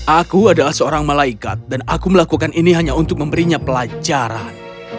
aku adalah seorang malaikat dan aku melakukan ini hanya untuk memberinya pelajaran